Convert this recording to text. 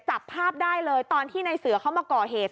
จับภาพได้เลยตอนที่ในเสือเขามาก่อเหตุ